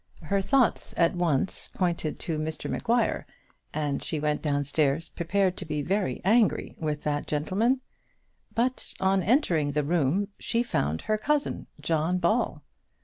Her thoughts at once pointed to Mr Maguire, and she went downstairs prepared to be very angry with that gentleman. But on entering the room she found her cousin, John Ball.